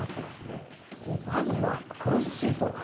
まずはクロスシート